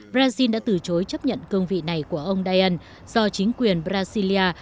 brazil đã từ chối chấp nhận cương vị này của ông dien do chính quyền brasilia